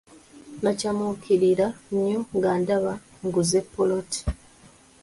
Nakyamuukirira nnyo nga ndaba nguze ppoloti.